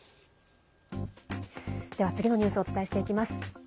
では次のニュースお伝えしていきます。